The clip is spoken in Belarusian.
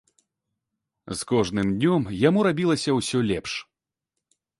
З кожным днём яму рабілася ўсё лепш.